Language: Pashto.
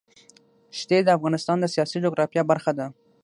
ښتې د افغانستان د سیاسي جغرافیه برخه ده.